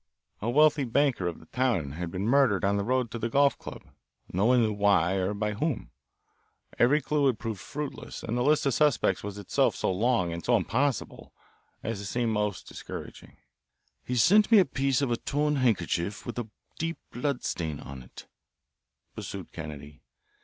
A wealthy banker of the town had been murdered on the road to the golf club, no one knew why or by whom. Every clue had proved fruitless, and the list of suspects was itself so long and so impossible as to seem most discouraging. "He sent me a piece of a torn handkerchief with a deep blood stain on it," pursued Kennedy.